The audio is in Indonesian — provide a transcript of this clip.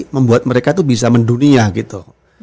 membuat mereka tuh bisa mendunia gitu